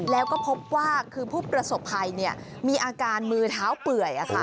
แล้วก็พบว่าคือผู้ประสบภัยมีอาการมือเท้าเปื่อย